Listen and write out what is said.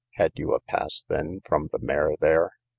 Had you a pass, then, from the mayor there?